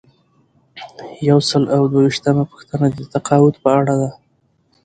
یو سل او دوه ویشتمه پوښتنه د تقاعد په اړه ده.